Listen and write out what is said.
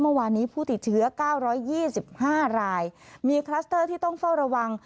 เมื่อวานี้ผู้ติดเชื้อ๙๒๕รายมีคลัสเตอร์ที่ต้องเฝ้าระวัง